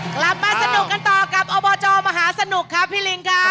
กลับมาสนุกกันต่อกับอบจมหาสนุกครับพี่ลิงค่ะ